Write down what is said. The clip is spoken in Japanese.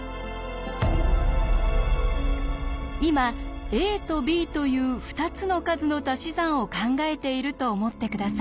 今ａとｂという２つの数のたし算を考えていると思って下さい。